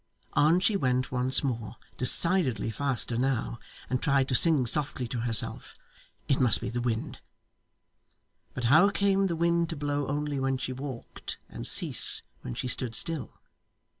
On she went once more decidedly faster now and tried to sing softly to herself. It must be the wind. But how came the wind to blow only when she walked, and cease when she stood still?